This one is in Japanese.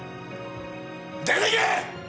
出ていけ！